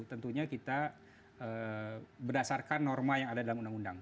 tentunya kita berdasarkan norma yang ada dalam undang undang